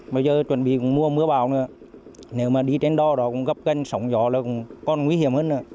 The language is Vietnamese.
bây giờ chuẩn bị mua mưa bào nữa nếu mà đi trên đo đó cũng gấp ghen sống gió là còn nguy hiểm hơn nữa